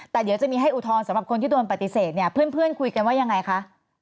แต่เดี๋ยวจะมีให้อุทธรณ์สำหรับคนที่โดนปฏิเสธเนี่ยเพื่อนคุยกันว่ายังไงคะ